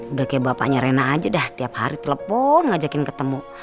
udah kayak bapaknya rena aja dah tiap hari telepon ngajakin ketemu